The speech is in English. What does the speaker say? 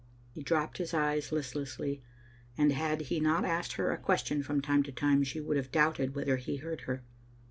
He dropped his eyes listlessly, and had he not asked her a question from time to time, she would have doubted whether he heard her.